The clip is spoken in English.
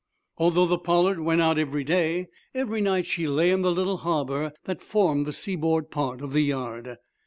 Although the "Pollard" went out every day, ever night she lay in the little harbor that formed the sea board part of the yard.